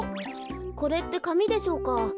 これってかみでしょうか？